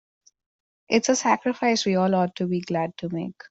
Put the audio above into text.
It's a sacrifice we all ought to be glad to make.